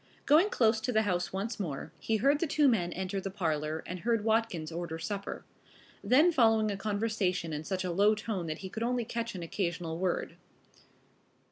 Going close to the house once more, he heard the two men enter the parlor and heard Watkins order supper. Then followed a conversation in such a low tone that he could only catch an occasional word.